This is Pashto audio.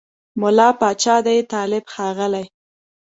مُلا پاچا دی طالب ښاغلی